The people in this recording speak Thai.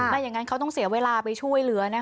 อย่างนั้นเขาต้องเสียเวลาไปช่วยเหลือนะคะ